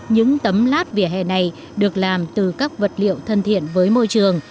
những tấm lát vỉa hè này được làm từ các vật liệu thân thiện với môi trường